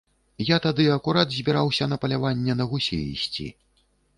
Я тады акурат збіраўся на паляванне на гусей ісці.